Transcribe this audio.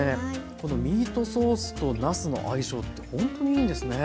このミートソースとなすの相性ってほんとにいいんですね。